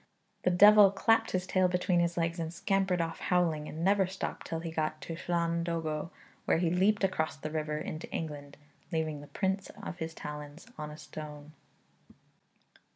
The devil clapped his tail between his legs and scampered off howling, and never stopped till he got to Llandogo, where he leaped across the river into England, leaving the prints of his talons on a stone.